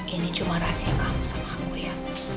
ini cuma rahasia kamu sama aku ya